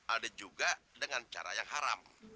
ada juga dengan cara yang haram